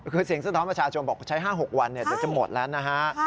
คือเสียงสะท้อนประชาชนบอกใช้๕๖วันเดี๋ยวจะหมดแล้วนะฮะ